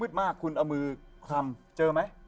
มากคุณเอามือคลำเจอไหม